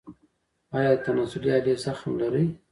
ایا د تناسلي آلې زخم لرئ؟